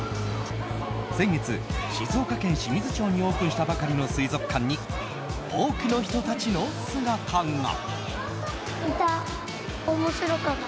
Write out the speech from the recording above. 先月、静岡県清水町にオープンしたばかりの水族館に多くの人たちの姿が。